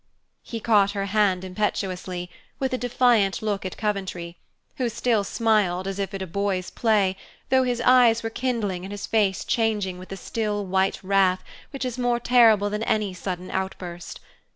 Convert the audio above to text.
He caught her hand impetuously, with a defiant look at Coventry, who still smiled, as if at boy's play, though his eyes were kindling and his face changing with the still, white wrath which is more terrible than any sudden outburst.